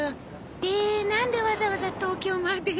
でなんでわざわざ東京まで？